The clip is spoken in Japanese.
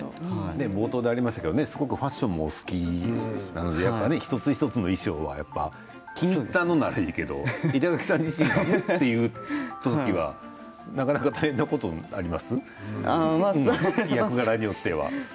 冒頭でありましたがファッションもお好きで一つ一つの衣装気に入ったのだったらいいけど板垣さん自身がうん？という時はなかなか大変なことになります？